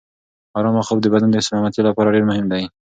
ارامه خوب د بدن د سلامتیا لپاره ډېر مهم دی.